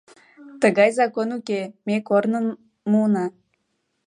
Тыгай закон уке, ме корным муына!